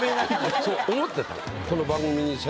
そう思ってたの。